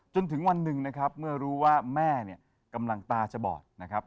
จนถึงวันหนึ่งนะครับเมื่อรู้ว่าแม่เนี่ยกำลังตาจะบอดนะครับ